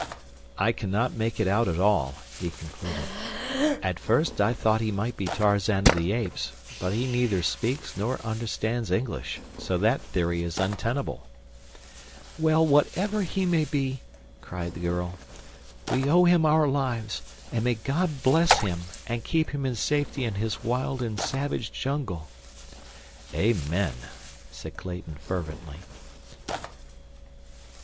"I cannot make it out at all," he concluded. "At first I thought he might be Tarzan of the Apes; but he neither speaks nor understands English, so that theory is untenable." "Well, whatever he may be," cried the girl, "we owe him our lives, and may God bless him and keep him in safety in his wild and savage jungle!" "Amen," said Clayton, fervently.